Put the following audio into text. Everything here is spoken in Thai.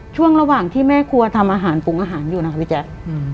ช่วงระหว่างที่แม่ครัวทำอาหารปรุงอาหารอยู่นะคะพี่แจ๊ค